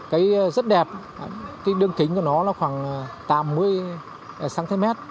cây rất đẹp đường kính của nó khoảng tám mươi cm